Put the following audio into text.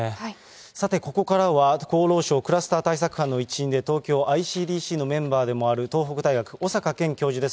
さてここからは、厚労省クラスター対策班の一員で東京ｉＣＤＣのメンバーでもある、東北大学の小坂健教授です。